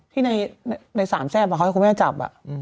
ที่ในสามแทรฟอะเขาให้คุณแม่จับอ่ะ